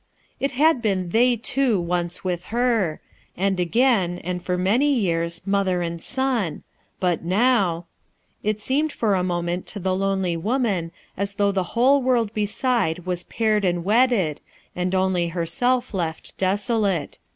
It had been ''they two n once with her. And again, and for many years, mother and son; but now — It seemed for a moment to the lonely woman as though the whole world beside was paired and wedded and only herself left desolate.